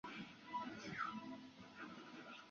后改为滨州知州。